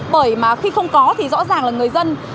bởi mà khi không có thì rõ ràng là người dân